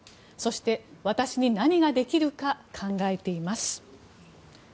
そして、私に何ができるか考えています。